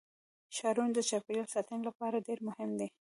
ښارونه د چاپیریال ساتنې لپاره ډېر مهم دي.